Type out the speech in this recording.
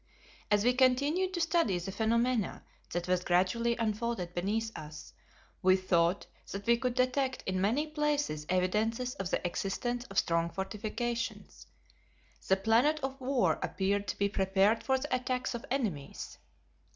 As we continued to study the phenomena that was gradually unfolded beneath us we thought that we could detect in many places evidences of the existence of strong fortifications. The planet of war appeared to be prepared for the attacks of enemies.